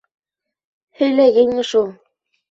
— Һөйләгәйнең шул.